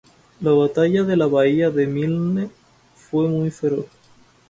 La batalla de la bahía de Milne fue muy feroz.